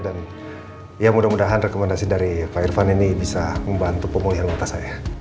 dan ya mudah mudahan rekomendasi dari pak irvan ini bisa membantu pemulihan lontar saya